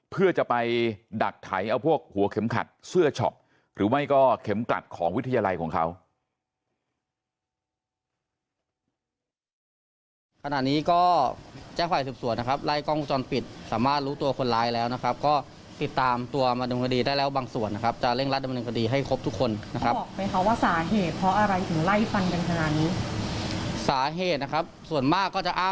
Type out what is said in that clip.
เพื่อจะไปดักไถเอาพวกหัวเข็มขัดเสื้อช็อปหรือไม่ก็เข็มกลัดของวิทยาลัยของเขา